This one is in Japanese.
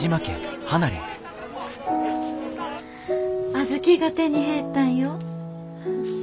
小豆が手に入ったんよ。